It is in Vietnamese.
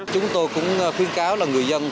chúng tôi cũng khuyến cáo là người dân